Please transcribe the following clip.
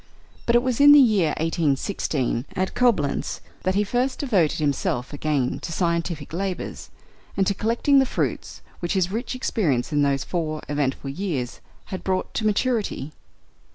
But it was in the year 1816, at Coblentz, that he first devoted himself again to scientific labours, and to collecting the fruits which his rich experience in those four eventful years had brought to maturity.